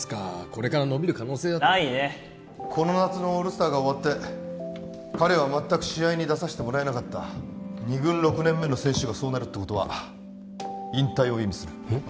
これから伸びる可能性だってないねこの夏のオールスターが終わって彼は全く試合に出させてもらえなかった２軍６年目の選手がそうなるってことは引退を意味するえっ？